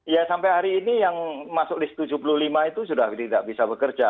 ya sampai hari ini yang masuk list tujuh puluh lima itu sudah tidak bisa bekerja